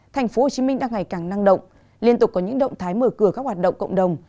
tp hcm đang ngày càng năng động liên tục có những động thái mở cửa các hoạt động cộng đồng